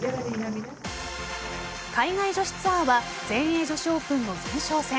海外女子ツアーは全英女子オープンの前哨戦。